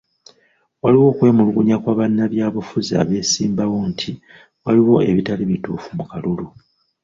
Waliwo okwemulugunya kwa bannabyabufuzi abeesimbawo nti waaliwo ebitaali bituufu mu kalulu.